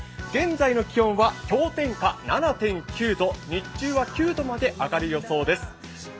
現在の気温は氷点下７．９度、日中は９度まで上がる予想です。